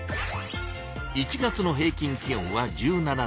１月の平きん気温は１７℃。